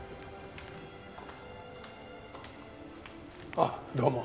あっどうも。